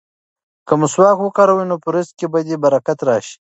که مسواک وکاروې نو په رزق کې به دې برکت راشي.